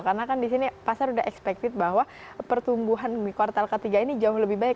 karena kan di sini pasar udah expected bahwa pertumbuhan mi kuartal ketiga ini jauh lebih baik